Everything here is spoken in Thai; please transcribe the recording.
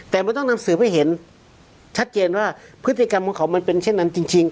แต่มันต้องนำสืบให้เห็นชัดเจนว่าพฤติกรรมของเขามันเป็นเช่นนั้นจริง